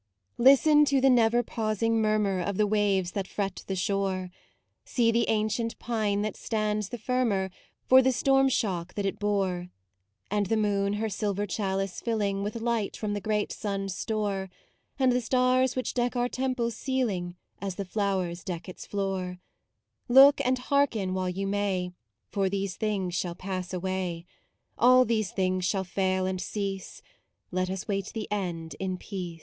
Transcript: Listen to the never pausing murmur Of the waves that fret the shore; See the ancient pine that stands the firmer For the storm shock that it bore; And the moon her silver chalice filling With light from the great sun's store; And the stars which deck our temple's ceiling As the flowers deck its floor; Look and hearken while you may, For these things shall pass away: All these things shall fail and cease; Let us wait the end in peace.